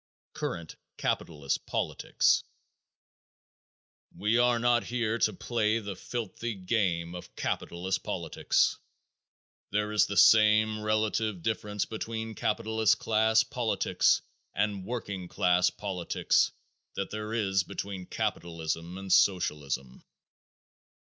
Corrupt Capitalist Politics. We are not here to play the filthy game of capitalist politics. There is the same relative difference between capitalist class politics and working class politics that there is between capitalism and Socialism.